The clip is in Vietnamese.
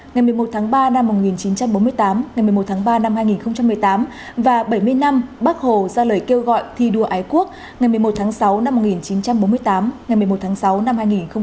ngày một mươi một tháng ba năm một nghìn chín trăm bốn mươi tám ngày một mươi một tháng ba năm hai nghìn một mươi tám và bảy mươi năm bắc hồ ra lời kêu gọi thi đua ái quốc ngày một mươi một tháng sáu năm một nghìn chín trăm bốn mươi tám ngày một mươi một tháng sáu năm hai nghìn một mươi chín